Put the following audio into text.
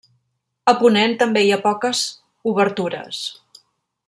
A ponent també hi ha poques obertures.